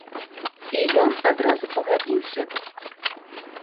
І ён адразу пагадзіўся.